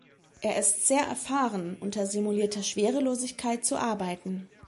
Er ist sehr erfahren, unter simulierter Schwerelosigkeit zu arbeiten.